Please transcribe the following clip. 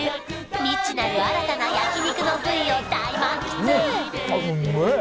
未知なる新たな焼肉の部位を大満喫あ